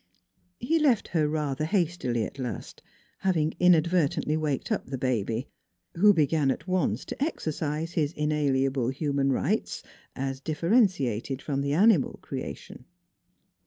He left her rather hastily at last, having inad vertently waked up the baby, who began at once to exercise his inalienable human rights, as differ entiated from the animal creation.